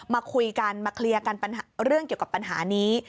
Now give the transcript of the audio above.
มาคุยกันมาเคลียร์กันปัญหาเรื่องเกี่ยวกับปัญหานี้